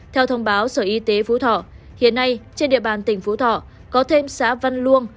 theo thông báo sở y tế phú thọ hiện nay trên địa bàn tỉnh phú thọ có thêm xã văn luông